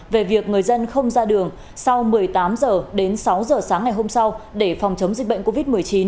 về việc người dân không ra đường sau một mươi tám h đến sáu h sáng ngày hôm sau để phòng chống dịch bệnh covid một mươi chín